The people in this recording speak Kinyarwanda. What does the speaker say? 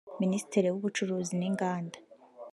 minisitiri w’ubucuruzi n’inganda